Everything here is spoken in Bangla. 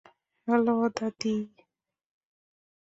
হ্যালো, দাদি।